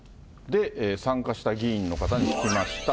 で、参加した議員の方に聞きました。